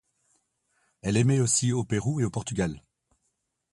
Elle émet aussi au Pérou et au Portugal.